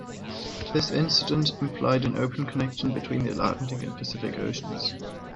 This incident implied an open connection between the Atlantic and Pacific oceans.